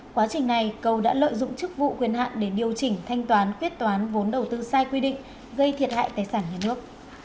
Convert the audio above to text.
quá trình này cầu đã lợi dụng chức vụ quyền hạn để điều chỉnh thanh toán quyết toán vốn đầu tư sai quy định gây thiệt hại tài sản nhà nước